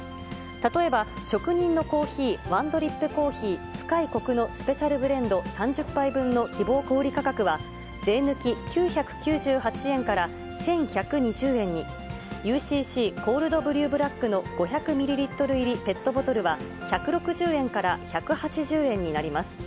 例えば、職人の珈琲ワンドリップコーヒー深いコクのスペシャルブレンド３０杯分の希望小売価格は、税抜き９９８円から１１２０円に、ＵＣＣコールドブリューブラックの５００ミリリットル入りペットボトルは、１６０円から１８０円になります。